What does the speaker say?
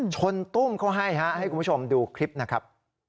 ตุ้มเขาให้ให้คุณผู้ชมดูคลิปนะครับ